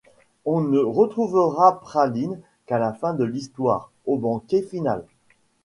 On ne retrouvera Praline qu'à la fin de l'histoire, au banquet final.